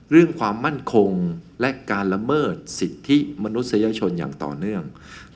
เรื่องความมั่นคงและการละเมิดสิทธิมนุษยชนอย่างต่อเนื่อง